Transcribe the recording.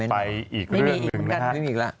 ไปอีกเรื่องหนึ่งนะครับ